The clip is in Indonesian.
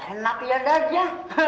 enak ya dad ya